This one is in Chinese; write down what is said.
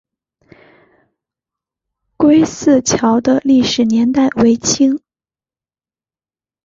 归驷桥的历史年代为清。